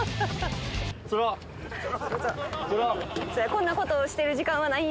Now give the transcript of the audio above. こんなことしてる時間はないんや。